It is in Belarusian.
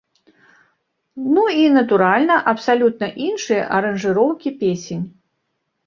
Ну і, натуральна, абсалютна іншыя аранжыроўкі песень.